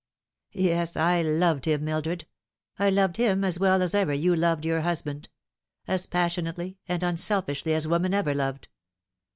Yes, I loved him, Mildred ; I loved him as well as ever you loved your husband as passionately and unselfishly as woman ever loved.